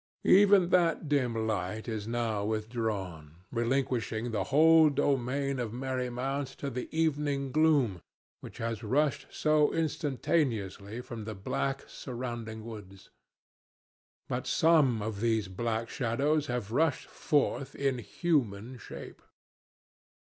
Even that dim light is now withdrawn, relinquishing the whole domain of Merry Mount to the evening gloom which has rushed so instantaneously from the black surrounding woods. But some of these black shadows have rushed forth in human shape.